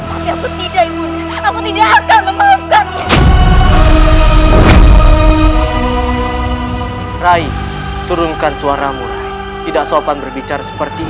apa yang baik baiknya saudara saudara tapi